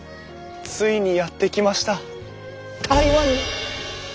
ついにやって来ました台湾に！